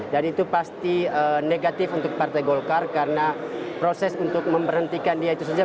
dan itu pasti negatif untuk partai golkar karena proses untuk memberhentikan dia itu saja